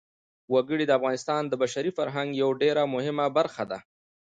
وګړي د افغانستان د بشري فرهنګ یوه ډېره مهمه برخه ده.